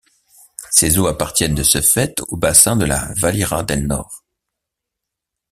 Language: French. Ses eaux appartiennent de ce fait au bassin de la Valira del Nord.